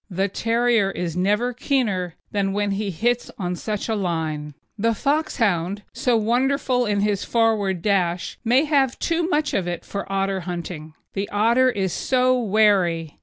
The terrier is never keener than when he hits on such a line. The Foxhound, so wonderful in his forward dash, may have too much of it for otter hunting. The otter is so wary.